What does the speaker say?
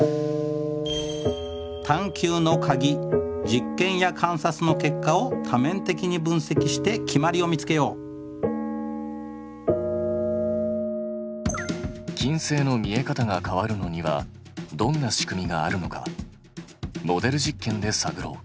実験や観察の結果を多面的に分析して決まりを見つけよう金星の見え方が変わるのにはどんな仕組みがあるのかモデル実験で探ろう。